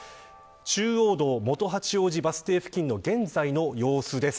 中央道元八王子バス停付近の現在の様子です。